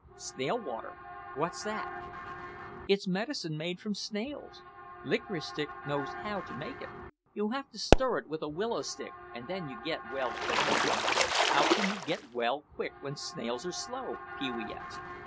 "Snail water, what's that?" "It's medicine made from snails; Licorice Stick knows how to make it. You have to stir it with a willow stick and then you get well quick." "How can you get well quick when snails are slow?" Pee wee asked.